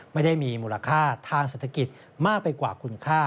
ไม่ได้มีมูลค่าทางเศรษฐกิจมากไปกว่าคุณค่า